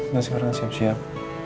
nah sekarang siap siap